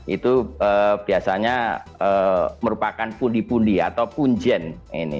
itu biasanya merupakan pundi pundi atau punjen ini